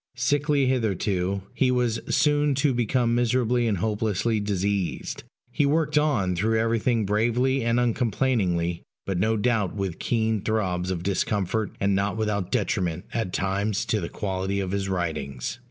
Sickly hitherto, he was soon to become miserably and hopelessly diseased: he worked on through everything bravely and uncomplainingly, but no doubt with keen throbs of discomfort, and not without detriment at times to the quality of his writings.